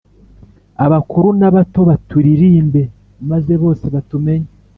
Abakuru n’abato baturirimbe maze bose batumenye